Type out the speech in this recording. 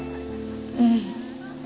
うん。